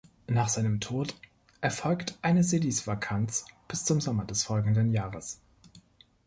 Nach seinem Tod erfolgt eine Sedisvakanz bis zum Sommer des folgenden Jahres.